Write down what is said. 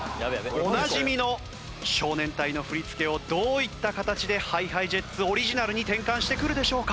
おなじみの少年隊の振り付けをどういった形でＨｉＨｉＪｅｔｓオリジナルに転換してくるでしょうか？